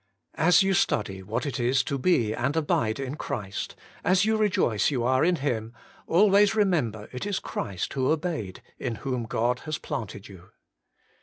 3. As you study what it is to be and abide in Christ, as you rejoice you are in Him, always remember it is Christ who obeyed in whom God has planted you.